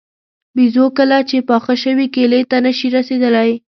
بېزو کله چې پاخه شوي کیلې ته نه شي رسېدلی.